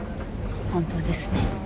本当ですね。